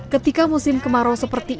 ketika musim kemarau seperti